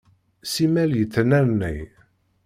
Simmal yettnernay.